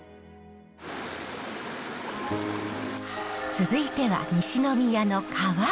続いては西宮の川。